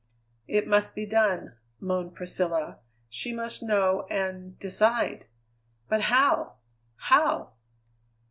"It must be done!" moaned Priscilla; "she must know and decide! But how? how?"